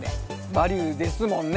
「バリュー」ですもんね。